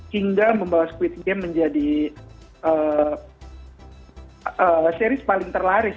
hingga membawa squid game menjadi series paling terlaris